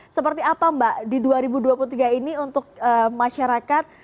seperti apa mbak di dua ribu dua puluh tiga ini untuk masyarakat